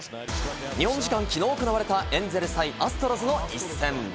日本時間、きのう行われたエンゼルス対アストロズの一戦。